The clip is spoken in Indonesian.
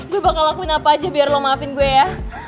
gue bakal lakuin apa aja biar lo maafin gue ya